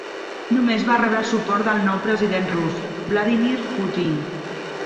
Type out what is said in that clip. Només va rebre suport del nou president rus, Vladímir Putin.